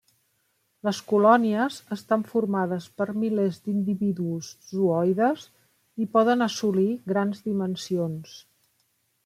Les colònies estan formades per milers d'individus zooides i poden assolir grans dimensions.